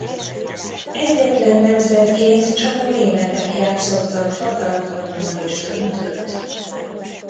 Egyetlen nemzetként csak a németek játszottak hat alkalommal is döntőt.